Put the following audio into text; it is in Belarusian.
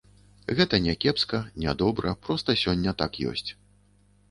Гэта не кепска, не добра, проста сёння так ёсць.